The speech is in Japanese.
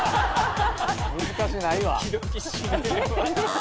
難しないわ。